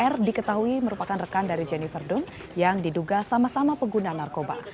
r diketahui merupakan rekan dari jennifer dum yang diduga sama sama pengguna narkoba